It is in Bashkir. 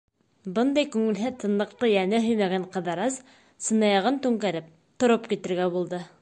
Бындай күңелһеҙ тынлыҡты йәне һөймәгән Ҡыҙырас сынаяғын түңкәреп тороп китергә булды.